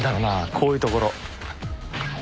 こういうところ。